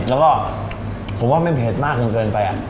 แล้วก็ผมว่ามีเผชมากขึ้นเกินไป